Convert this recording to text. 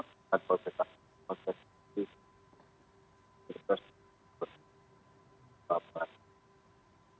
mengatakan menteri tidak mundur dalam melakukan protestasi untuk pembangunan